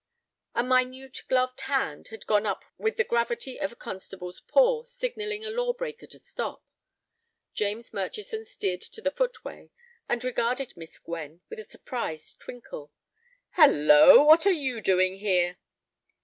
A minute gloved hand had gone up with the gravity of a constable's paw signalling a lawbreaker to stop. James Murchison steered to the footway, and regarded Miss Gwen with a surprised twinkle. "Hallo, what are you doing here?"